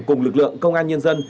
cùng lực lượng công an nhân dân